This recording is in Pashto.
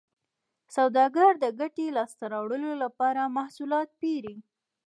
سوداګر د ګټې لاسته راوړلو لپاره محصولات پېري